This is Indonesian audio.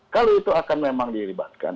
kalau itu akan memang dilibatkan